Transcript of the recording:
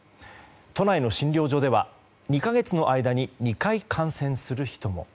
都内の診療所では２か月の間に２回感染する人も。